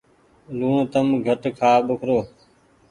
لوڻ تم گھٽ کآ ٻوکرو ۔